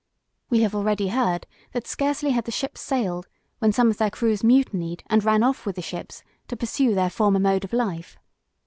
We have already heard, that scarcely had the ships sailed, when some of their crews mutinied, and ran off with the ships, to pursue their former mode of life.